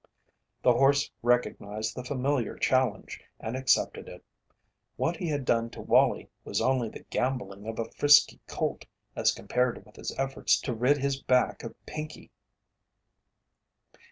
The horse recognized the familiar challenge and accepted it. What he had done to Wallie was only the gambolling of a frisky colt as compared with his efforts to rid his back of Pinkey.